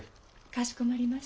かしこまりました。